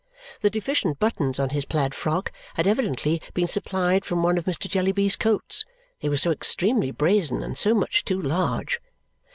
The deficient buttons on his plaid frock had evidently been supplied from one of Mr. Jellyby's coats, they were so extremely brazen and so much too large.